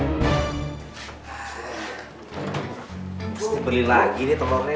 pasti beli lagi nih telurnya nih